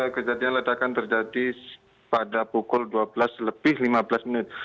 kejadian ledakan terjadi pada pukul dua belas lebih lima belas menit